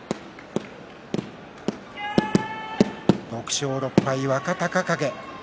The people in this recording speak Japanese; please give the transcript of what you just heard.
６勝６敗、若隆景。